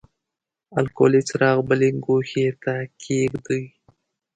الکولي څراغ بلې ګوښې ته کیږدئ.